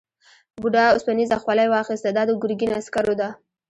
بوډا اوسپنيزه خولۍ واخیسته دا د ګرګین عسکرو ده.